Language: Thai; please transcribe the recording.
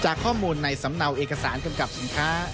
ข้อมูลในสำเนาเอกสารกำกับสินค้า